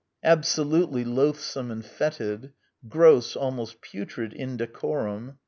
... Absolutely loathsome and fetid. ..• Gross, almost putrid indecorum.